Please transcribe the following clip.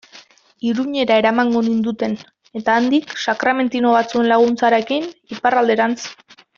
Iruñera eramango ninduten, eta handik, sakramentino batzuen laguntzarekin, Iparralderantz.